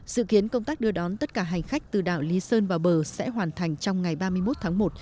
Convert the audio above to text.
sự kiến công tác đưa đón tất cả hành khách từ đảo lý sơn vào bờ sẽ hoàn thành trong ngày ba mươi một tháng một